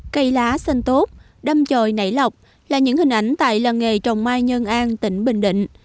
cây lá xanh tốt đâm trồi nảy lọc là những hình ảnh tại làng nghề trồng mai nhân an tỉnh bình định